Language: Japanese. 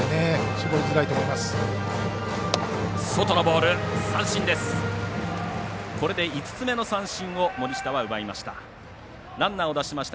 絞りづらいと思います。